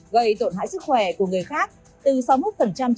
gây tổn hại sức khỏe của người khác